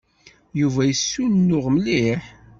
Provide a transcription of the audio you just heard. Yuba yessunuɣ mliḥ.